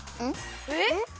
えっ？